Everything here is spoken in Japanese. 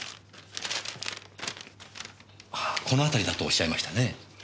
この辺りだとおっしゃいましたねえ？